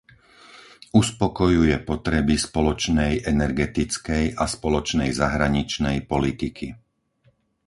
Uspokojuje potreby spoločnej energetickej a spoločnej zahraničnej politiky.